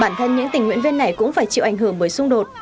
bản thân những tình nguyện viên này cũng phải chịu ảnh hưởng bởi xung đột